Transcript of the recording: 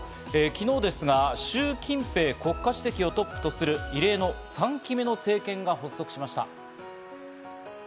昨日ですが、シュウ・キンペイ国家主席をトップとする異例の３期目の政権が発足しました。